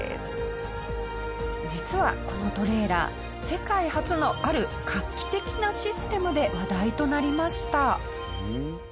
実はこのトレーラー世界初のある画期的なシステムで話題となりました。